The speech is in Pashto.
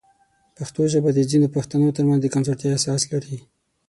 پښتو ژبه د ځینو پښتنو ترمنځ د کمزورتیا احساس لري.